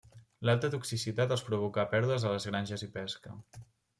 L'alta toxicitat els provocà pèrdues a les granges i pesca.